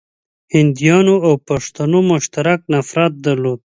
هنديانو او پښتنو مشترک نفرت درلود.